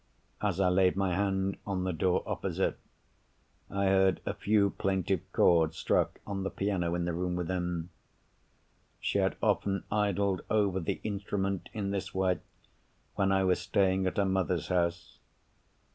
As I laid my hand on the door opposite, I heard a few plaintive chords struck on the piano in the room within. She had often idled over the instrument in this way, when I was staying at her mother's house.